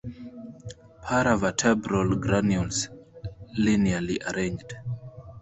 Para vertebral granules linearly arranged.